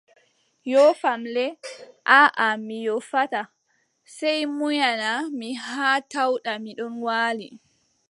Yoofam le, aaʼa mi yoofataa, sey munyana mi haa tawɗa mi ɗon waali,